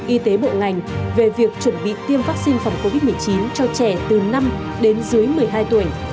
y tế bộ ngành về việc chuẩn bị tiêm vaccine phòng covid một mươi chín cho trẻ từ năm đến dưới một mươi hai tuổi